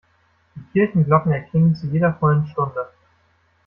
Die Kirchenglocken erklingen zu jeder vollen Stunde.